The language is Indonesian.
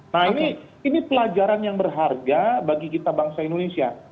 nah ini pelajaran yang berharga bagi kita bangsa indonesia